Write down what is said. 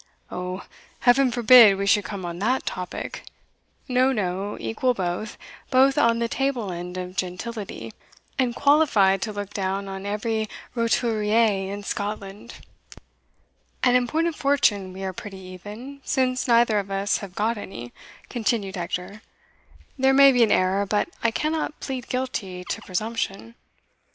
"O, Heaven forbid we should come on that topic! No, no, equal both both on the table land of gentility, and qualified to look down on every roturier in Scotland." "And in point of fortune we are pretty even, since neither of us have got any," continued Hector. "There may be an error, but I cannot plead guilty to presumption."